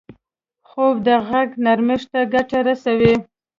خوب د غږ نرمښت ته ګټه رسوي